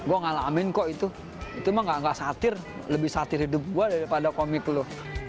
gue ngalamin kok itu itu mah gak satir lebih satir hidup gue daripada komik lo